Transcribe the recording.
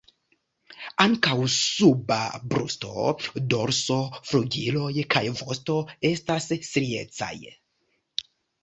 Ankaŭ suba brusto, dorso, flugiloj kaj vosto estas striecaj.